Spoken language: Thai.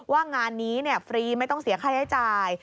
ว่างานนี้ฟรีไม่ต้องเสียค่าใช้จ่าย